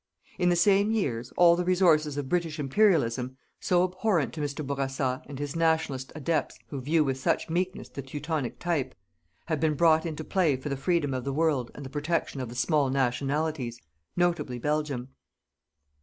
In the same years, all the resources of British Imperialism, so abhorrent to Mr. Bourassa and his Nationalist adepts who view with such meekness the Teutonic type have been brought into play for the freedom of the world and the protection of the small nationalities notably Belgium.